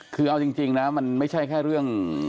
คือเอาจริงนะมันไม่ใช่แค่เรื่อง